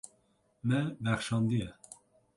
Me bexşandiye.